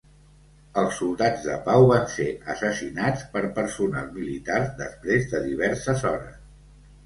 Els soldats de pau van ser assassinats per personal militar després de diverses hores.